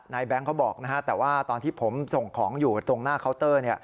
แบงค์เขาบอกนะฮะแต่ว่าตอนที่ผมส่งของอยู่ตรงหน้าเคาน์เตอร์